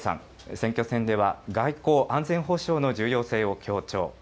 選挙戦では外交・安全保障の重要性を強調。